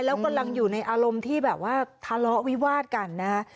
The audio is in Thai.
แล้วกำลังอยู่ในอารมณ์ที่แบบว่าทะเลาะวิวาดกันนะฮะ